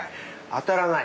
当たらない。